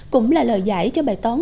cũng là lời giải cho bài tón